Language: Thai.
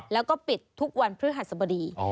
แล้วก็ปิดทุกวันพฤหัสบดี